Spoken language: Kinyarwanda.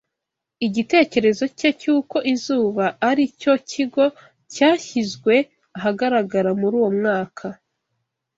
Igitekerezo cye cy'uko izuba ari cyo kigo cyashyizwe ahagaragara muri uwo mwaka